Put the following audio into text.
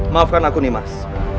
maafkan aku nimas